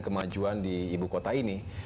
kemajuan di ibu kota ini